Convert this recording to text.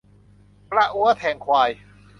กระอั้วแทงควาย